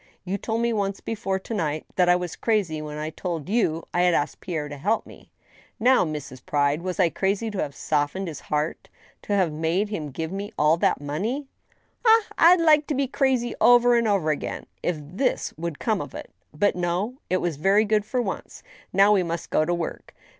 You told me once before, to night, that I was crazy when I told you I had asked Pierre to help me. ... Now, Mrs. Pride, was I crazy to have softened his heart, to have made him give me all that money ? Ah ! I'd like to be crazy over and over again, if this would come of it ! But no ; it was very good for once. Now we must go to work.